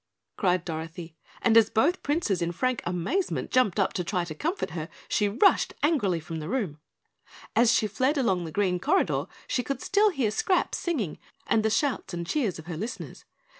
cried Dorothy, and as both Princes in frank amazement jumped up to try to comfort her, she rushed angrily from the room. As she fled along the green corridor she could still hear Scraps singing and the shouts and cheers of her listeners.